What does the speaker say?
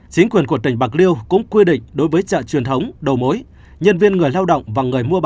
chính quyền của tỉnh bạc liêu cũng quy định đối với chợ truyền thống đầu mối